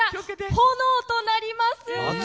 炎となります。